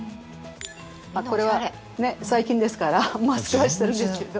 これは最近ですからマスクはしてるんですけれども。